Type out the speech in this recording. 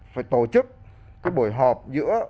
phải tổ chức cái buổi họp giữa